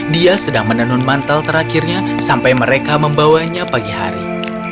dia sedang menenun mantel terakhirnya sampai mereka membawanya pagi hari